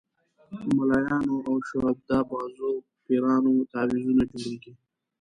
په ملایانو او شعبده بازو پیرانو تعویضونه جوړېږي.